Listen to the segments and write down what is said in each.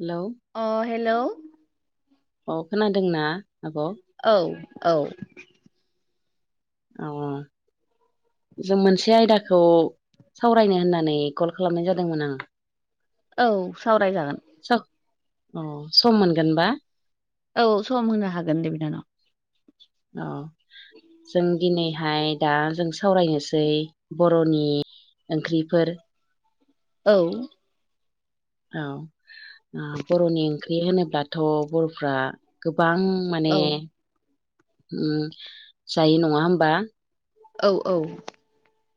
Hello अ hello अ खोनादोंना आब'? औ औ औ अ जों मोनसे आयदाखौ सावरायनो होननानै कल खालामनाय जादोंमोन आङो औ सावरायजागोन साग अ सम मोनगोनबा औ सम होनो हागोन दे बिनानाव अ जों दिनैहाय दा जों सावरायनोसै बर'नि ओंख्रिफोर औ औ ओ बर'नि ओंख्रि होनोब्लाथ' बर'फ्रा गोबां माने औ उम जायो नङा होमबा औ औ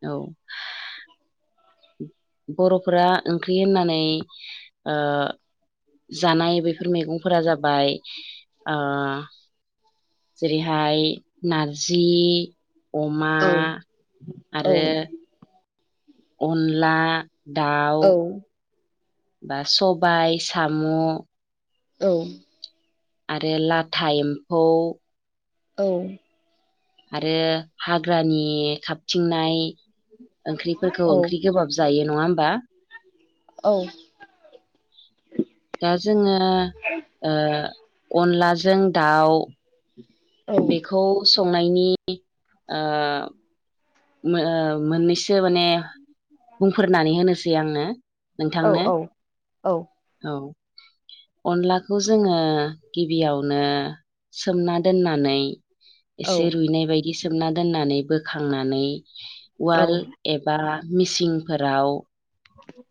औ बर'फोरा ओंख्रि होननानै ओ जानाय बेफोर मैगंफोरा जाबाय ओ जेरैहाय नारजि अमा औ औ आरो अनला दाउ औ बा सबाय, साम' औ आरो लाथा एम्फौ औ औ आरो हाग्रानि खाब थिंनाय ओंख्रिफोरखौ ओंख्रि गोबाब जायो नङा होमबा? औ दा जोङो अनलाजों दाउ [unintelligible] बेखौ संनायनि मोननैसो माने बुंफोरनानै होनोसै आंनो नोंथांनो औ अनलाखौ जोङो गिबियावनो सोमना दोननानै एसे रुइनाय बायदि सोमना दोननानै बोखांनानै वाल एबा मिसिंफोराव औ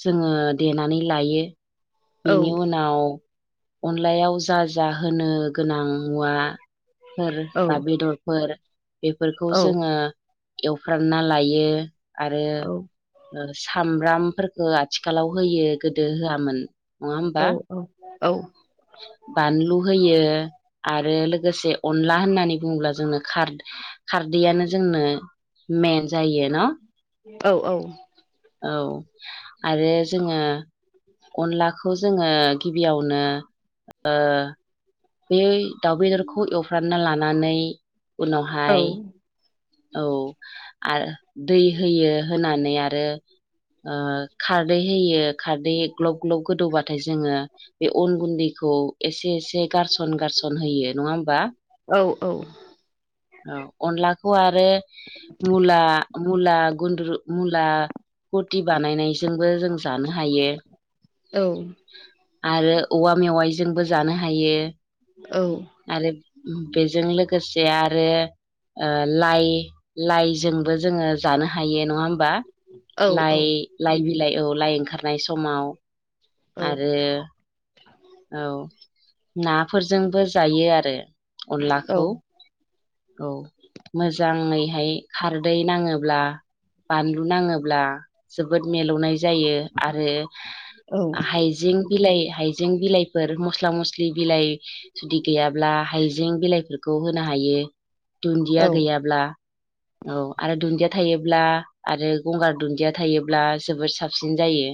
जोङो देनानै लायो बेनि उनाव अनलायाव जा जाहोनो गोनां मुवा फोर बा बेदरफोर बेफोरखौ जोङो एवफ्रामना लायो आरो सामब्रामख आथिखालाव होयो गोदो होआमोन नङा औ होमबा औ औ बानलु होयो आरो लोगोसे अनला होननानै बुङोब्ला जोंनो खार खारदैयानो जोंनो मेन जायो न' औ औ औ आरो जोङो अनलाखौ जोङो गिबियावनो बे दाउ बेदरखौ एवफ्रामना लानानै उनावहाय औ आरो दै होयो होनानै आरो खारदै होयो खारदै ग्लब ग्लब गोदौबाथाय जोङो बे अन गुन्दैखौ एसे एसे गारसन गारसन होयो नङा होमबा औ औ औ अनलाखौ आरो मुला मुला गुन्द्रु मुला कटि बानायायनाय जोंबो जों जानो हायो आरो औवा मेवाइजोंबो जानो हायो औ आरो बेजों लोगोसे आरो लाइ लाइजोंबो जोङो जानो हायो नङा होमबा लाइ लाइ बिलाइ औ लाइ ओंखारनाय समाव आरो औ नाफोरजोंबो जायो आरो अनलाखौ औ मोजाङैहाय खारदै नाङोब्ला बानलु नाङोब्ला जोबोद मिलौनाय जायो आरो हाइजें बिलाइ हाइज जों बिलाइफोर मस्ला मस्लि बिलाइ जुदि गैयाब्ला हाइजें बिलाइफोरखौ होनो हायो दुन्दिया गैयाब्ला औ आरो दुन्दिया थायोब्ला आरो गंगार दुन्दिया थायोब्ला जबोद साब साबसिन जायो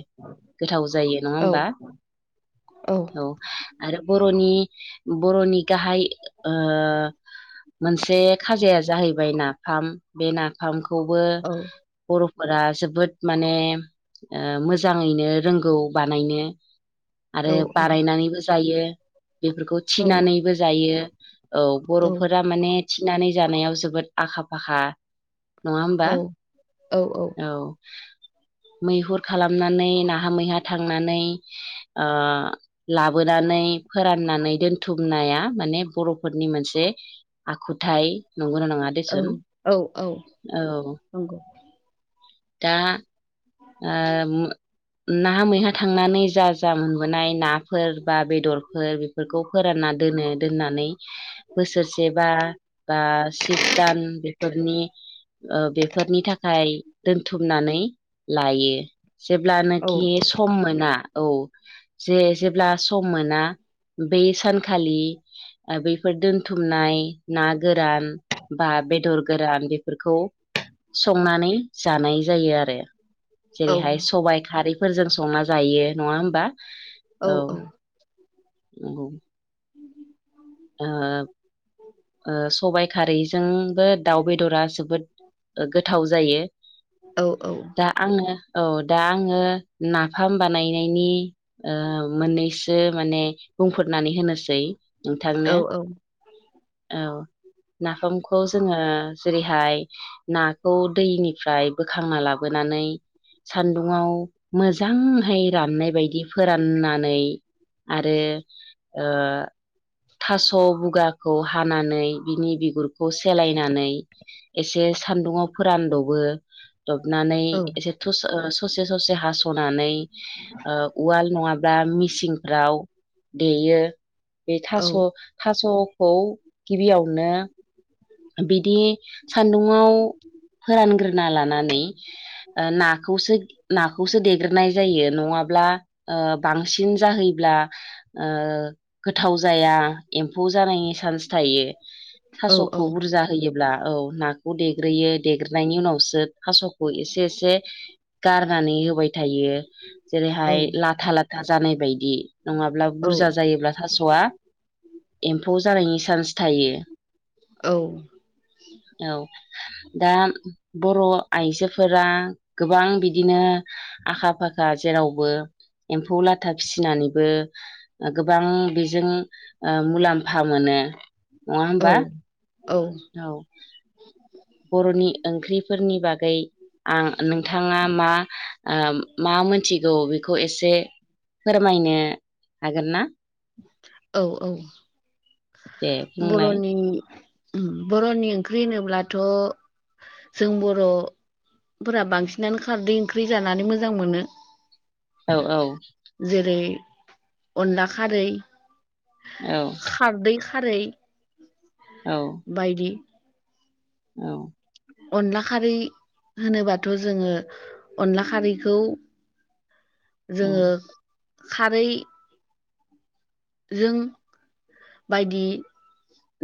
गोथाव जायो नङा होमबा औ आरो बर'नि बर'नि गाहाय मोनसे खाजाया जाहैबाय नाफाम बे नाफामखौबो बर'फोरा जोबोद माने ओ मोजाङैनो रोंगौ बानायनो। आरो बानायनानैबो जायो बेफोरखौ थिनानैबो जायो। औ बर'फोरा माने थिनानै जानायाव जोबोद आखा फाखा नङा औ होमबा औ मैहुर खालामनानै नाहा मैहा थांनानै ओ लाबोनानै फोराननानै दोनथुम। बुथुमनाया माने बर'फोरनि मोनसे आखुथाय नंगौना' नङा औ देसुन औ औ औ। नंगौ दा आ नाहा मैहा थांनानै जा जा मोनबोनाय नाफोर बा बेदरफोर फोरखौ फोरानना दोनो दोननानै बोसोरसे बा बा सिक्स दान बेफोरनि ओ बेफोरनि थाखाय दोनथुमनानै लायो औ जेब्लानाखि सम मोना औ जे जेब्ला सम मोना बै सानखालि बेैफोर दोनथुमनाय। ना गोरान बा बेदर गोरान बेफोरखौ संनानै जानाय जायो आरो। औ जेरैहाय सबाय खारैफोरजों संना जायो नङा होमबा औ। औ। उमम [unintelligible] ओ ओ सबाय खारैजोंबो दाउ बेदरा जोबोद गोथाव जायो औ औ दा आङो औ दा आङो नाफाम बानायनायनि ओ मोननैसो माने बुंफोरनानै होनोसै। औ थांनो औ नाफामखौ जोङो जेरैहाय नाखौ दैनिफ्राय बोखांना लाबोनानै सान्दुंआव मोजांहै राननाय बायदि फोराननानै। आरो ओ थास' बुगाखौ हानानै बिनि बिगुरखौ सेलायनानै एसे सान्दुंङाव फोरानदबो दबनानै औ एसे सस ओ ससे ससे हास'नानै ओ उवाल नङाब्ला मिसिंफ्राव देयो। बे थास' थास'खौ गिबियावनो बिदि सान्दुुंआव फोरानग्रोना लानानै। ओ नाखौसो नाखौसो देग्रोनाय जायो नङाब्ला ओ बांसिन जाहैब्ला ओ गोथाव जाया एम्फौ जानायनि चान्स थायो थास' फुजा होयोब्ला औ नाखौ देग्रोयो देग्रोननायनि उनावसो थास' एसे एसे गारनानै होबाय थायो जेरैहाय लाथा लाथ दाजानाय बायदि। नङाब्ला बुरजा जायोब्ला थास'आ एम्फौ जानायनि चान्स थायो। औ। औ दा बर' आइजोफोरा गोबां बिदिनो। आखा फाखा जेरावबो एम्फौ लाथा फिसिनानैबो ओ गोबां बेजों ओ मुलाम्फा मोनो नङा होमबा औ औ बर'नि ओंख्रिफोरनि बागै आं नोंथाङा मा ओ मा मोनथिगौ बेखौ एसे फोरमायनो हागोन ना? औ औ दे बुंलाय बर'नि उम बर'नि ओंख्रि होनोब्लाथ' जों बर' फोरा बांसिनानो खारदै ओंख्रि जानानै मोजां मोनो। औ औ। जेरै अनला खारै औ खारदै खारै औ बायदि औ अनला खारै होनोबाथ' जोङो अनला खारैखौ [inaudible] जोङो खारै जों बायदि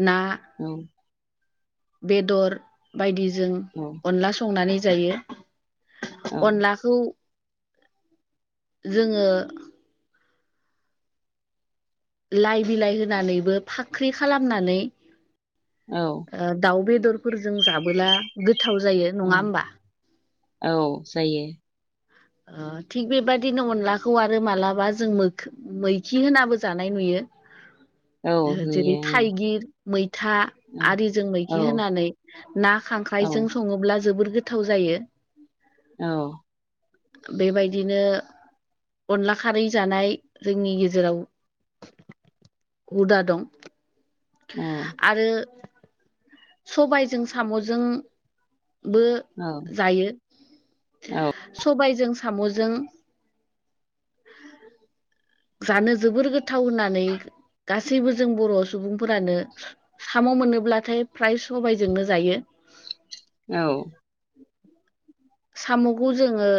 ना [inaudible] बेदर बायदिजों [inaudible] अनला संनानै जायो औ अनलाखौ जोङो लाइ बिलाइ होनानैबो फाख्रि खालामनानै औ ओ दाउ बेदरफोरजों जाबोला गोथाव जायो। नङा होमबा औ जायो। ओ थिग बेबादिनो अनलाखौ आरो मालाबा जों मोखो मैखि होनाबो जानाय नुयो। औ ओ जेरै नुयो ओं थाइगिर मैथा औ आरिजों मैगि औ होनानै ना औ खांख्राइजों सङोब्ला जोबोर गोथाव जायो। औ बेबायदिनो अनला खारै जानाय जोंनि गेजेराव हुदा दं। [inaudible] आरो सबाइजों साम'जोंबो औ जायो औ सबाइजों साम'जों जानो जोबोर गोथाव होननानै गासैबो जों बर' सुबुं फोरानो साम' मोनोब्लाथाय फ्राय सबाइजोंनो जायो। औ साम'खौ जोङो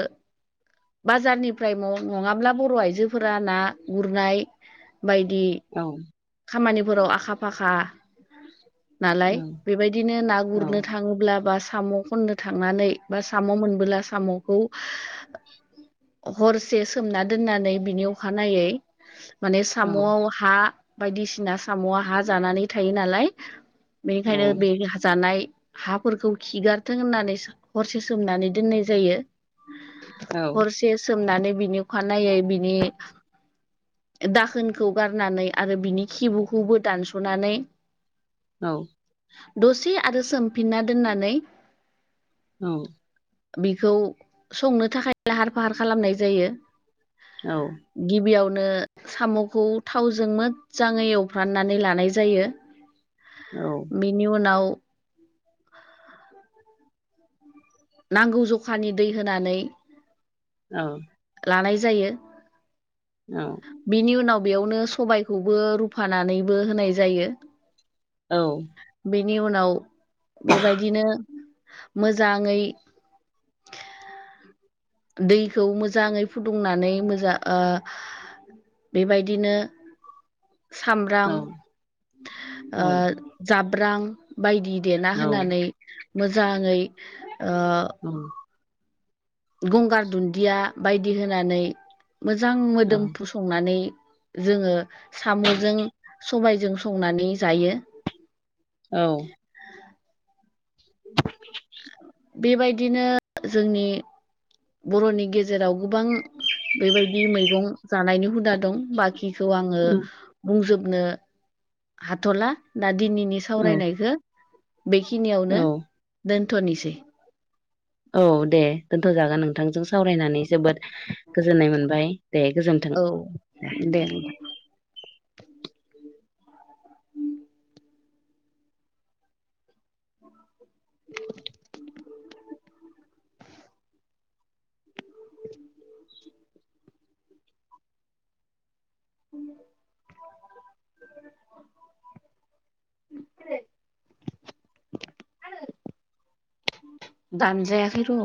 बाजारनिफ्राय मं नङाब्ला बर' आइजोफोरा ना गुरनाय बायदि औ खामानिफोराव आखा फाखा नालाय बेबायदिनो ना गुरनो थाङोब्ला बा साम' खननो थांनानै बा साम' मोनबोला साम' खौ हरसे सोमना दोननानै बिनि अखानायै माने औ साम'आव हा बायदिसिना साम'आ हा जानानै थायो नालाय मखायनो बे जानाय हाफोरखौ खिगारथों होननानै हरसे सोमनानै दोननाय जायो अ जे सोमनानै बिनि अखानायै बिनि दाखोनखौ गारनानै आरो बिनि खिबुखौबो दानस'नानै औ दसे आरो सोमफिनना दोननानै औ बिखौ संनो थाखाय लाहार फाहार खालामनाय जायो औ गिबियावनो साम'खौ थाव जों मोजाङै एवफ्राननानै लानाय जायो औ बिनि उनाव उ नांगौ जखानि दै होनानै औ लानाय जायो औ बिनि उनाव बेयावनो सबायखौबो रुफानानैबो होनाय जायो औ बेनि उनाव बेबायदिनो मोजाङै दैखौ मोजाङै फुदुंनानै मोजां बेबायदिनो सामब्रां जाब्रां बायदि देना होनानै मोजाङै ओ गंगार दुन्दिया बायदि होनानै मोजां मोदोम फुस संनानै जोङो साम'जों सबायजों संनानै जायो औ बेबायदिनो जोंनि बर'नि गेजेराव गोबां बेबायदि मैगं जानायनि हुदा दं बाखि खिखौ आङो बुंजोबनो हाथ'ला दा दिनैनि सावरायनायखौ बेखिनियावनो औ धन धनि से औ दे दोनथ'जागोन नोंथांजों सावरायनानै जोबोद गोजोननाय मोनबाय दे औ गोजोन्थों दे उ [inaudible] उ [unintelligible] दानजायाखै र'